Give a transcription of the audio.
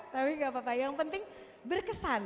tapi gak apa apa yang penting berkesan